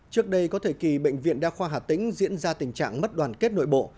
trước đây có thời kỳ bệnh viện đa khoa hà tĩnh diễn ra tình trạng mất đoàn kết nội bộ